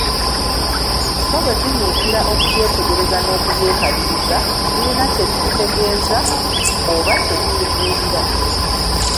Sso bwe tunyiikira okubyetegereza n'okubyekaliriza, birina kye bitutegeeza oba kye bitubuulira.